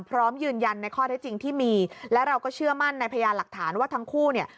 พร้อมยืนยันในข้อได้จริงที่มีและเราก็เชื่อมั่นในพยานหลักฐานว่าทั้งคู่เนี่ย